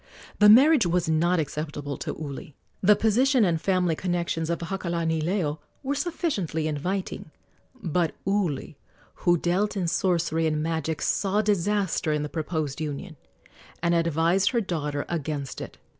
The marriage was not acceptable to Uli. The position and family connections of Hakalanileo were sufficiently inviting, but Uli, who dealt in sorcery and magic, saw disaster in the proposed union and advised her daughter against it.